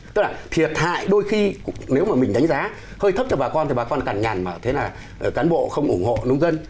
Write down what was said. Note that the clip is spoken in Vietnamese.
tức là thiệt hại đôi khi nếu mà mình đánh giá hơi thấp cho bà con thì bà con càng nhằn vào thế là cán bộ không ủng hộ nông dân